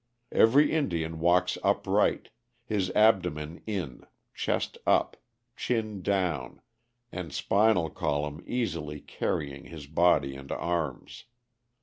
Every Indian walks upright, his abdomen in, chest up, chin down, and spinal column easily carrying his body and arms.